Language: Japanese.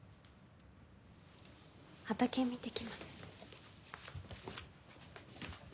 畑見て来ます。